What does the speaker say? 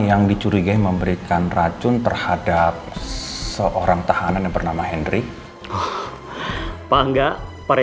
yang dicurigai memberikan racun terhadap seorang tahanan bernama hendrik